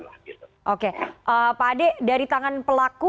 pak ade dari tangan pelaku